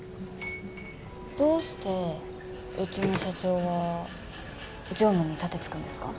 どうしてうちの社長は常務に盾突くんですか？